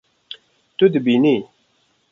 Tu dibînî